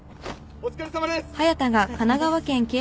お疲れさまです。